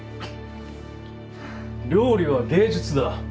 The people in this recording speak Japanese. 料理は芸術だ。